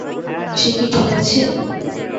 সে কি ঠিক আছে?